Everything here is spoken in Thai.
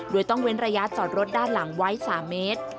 โดยต้องเว้นระยะจอดรถด้านหลังไว้๓เมตร